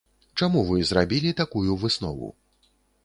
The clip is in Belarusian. Чаму вы зрабілі такую выснову?